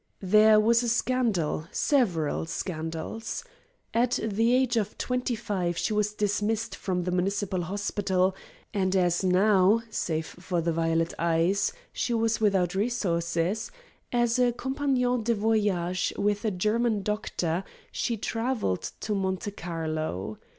There was a scandal; several scandals. At the age of twenty five she was dismissed from the Municipal Hospital, and as now save for the violet eyes she was without resources, as a compagnon de voyage with a German doctor she travelled to Monte Carlo.